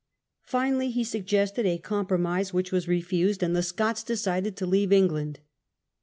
Finally he suggested a compromise, which was refused, and the Scots decided to leave Eng land.